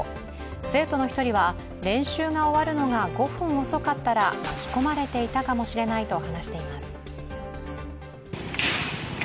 生徒の１人は、練習が終わるのが５分遅かったら巻き込まれていたかもしれないと話しています。